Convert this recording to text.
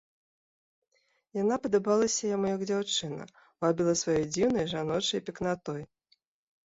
Яна падабалася яму як дзяўчына, вабіла сваёй дзіўнай жаночай пекнатой.